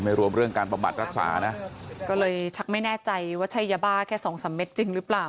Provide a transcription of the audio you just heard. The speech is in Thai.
รวมเรื่องการบำบัดรักษานะก็เลยชักไม่แน่ใจว่าใช่ยาบ้าแค่สองสามเม็ดจริงหรือเปล่า